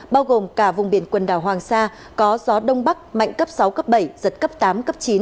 bao gồm cả vùng biển quần đảo hoàng sa có gió đông bắc mạnh cấp sáu cấp bảy giật cấp tám cấp chín